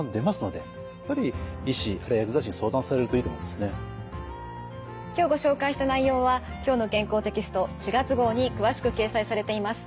ですので今はですね今日ご紹介した内容は「きょうの健康」テキスト４月号に詳しく掲載されています。